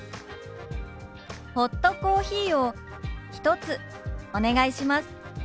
「ホットコーヒーを１つお願いします」。